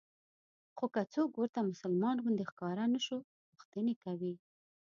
خو که څوک ورته مسلمان غوندې ښکاره نه شو پوښتنې کوي.